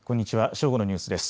正午のニュースです。